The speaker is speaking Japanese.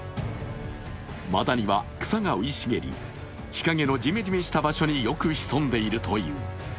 マダニは草が生い茂り日陰のジメジメした場所によく潜んでいるという。